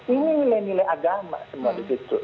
ini nilai nilai agama semua di situ